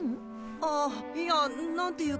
あっいやなんていうか。